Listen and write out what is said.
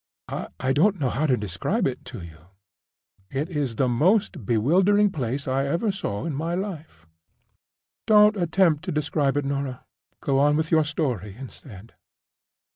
I don't know how to describe it to you. It is the most bewildering place I ever saw in my life—" "Don't attempt to describe it, Norah. Go on with your story instead."